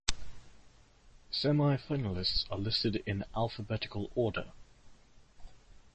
Semi-finalists are listed in alphabetical order.